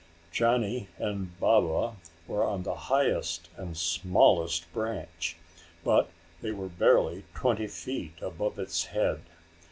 Johnny and Baba were on the highest and smallest branch, but they were barely twenty feet above its head.